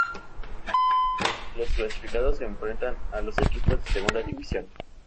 Los clasificados se enfrentan a los equipos de Segunda División.